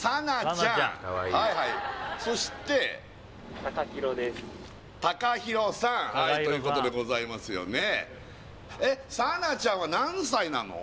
ちゃんはいはいそして敬弘です敬弘さんということでございますよね